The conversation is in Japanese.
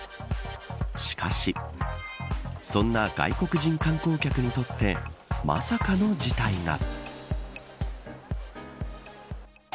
しかしそんな外国人観光客にとってまさかの事態が。